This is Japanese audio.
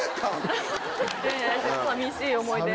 寂しい思い出。